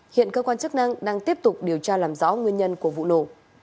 hiện cơ quan chức năng đang tiếp tục điều tra làm rõ nguyên nhân của vụ nổ